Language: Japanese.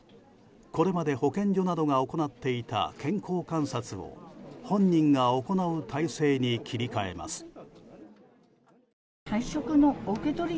これまで保健所などが行っていた健康観察を本人が行う体制に切り替えます。